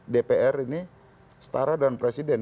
dpr ini setara dan presiden